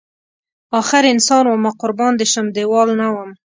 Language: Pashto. اخر انسان ومه قربان دی شم دیوال نه وم